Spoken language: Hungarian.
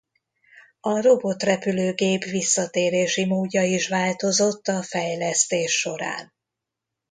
A robotrepülőgép visszatérési módja is változott a fejlesztés során.